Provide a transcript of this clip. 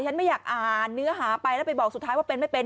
ฉันไม่อยากอ่านเนื้อหาไปแล้วไปบอกสุดท้ายว่าเป็นไม่เป็น